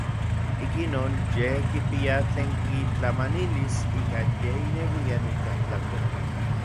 Ik inon yej kipia tlen kitlamanilis ikan yej ineuian itlajtlakol.